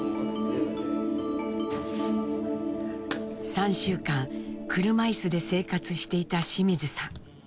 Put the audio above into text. ３週間車いすで生活していた清水さん。